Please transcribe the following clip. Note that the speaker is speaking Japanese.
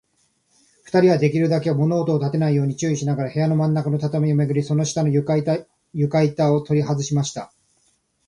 ふたりは、できるだけ物音をたてないように注意しながら、部屋のまんなかの畳をめくり、その下の床板ゆかいたをとりはずしました。